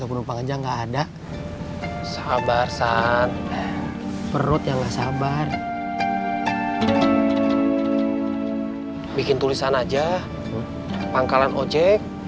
kopinya udah nyampe